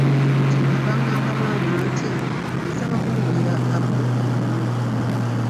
Kye nnava ngamba maama nti, nsaba kungulira apo emu.